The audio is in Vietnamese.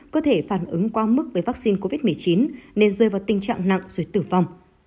có thể phản ứng quá mức với vaccine covid một mươi chín nên rơi vào tình trạng nặng rồi tử vong